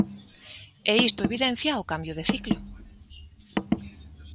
E isto evidencia o cambio de ciclo.